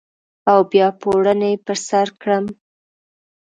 او بیا پوړنی پر سرکړم